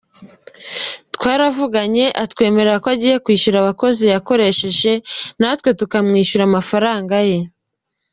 Twaravuganye atwemerera ko agiye kwishyura abakozi yakoresheje natwe tukamwishyura amafaranga ye.